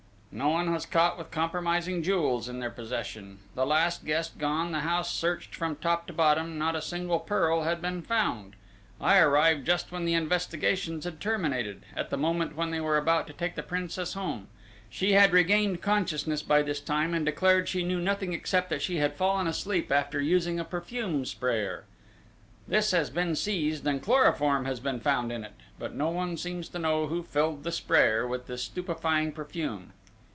"No one was caught with compromising jewels in their possession. The last guest gone, the house searched from top to bottom, not a single pearl had been found.... I arrived just when the investigations had terminated: at the moment when they were about to take the Princess home. She had regained consciousness by this time and declared she knew nothing except that she had fallen asleep after using a perfume sprayer. This has been seized and chloroform has been found in it; but no one seems to know who filled the sprayer with this stupefying perfume."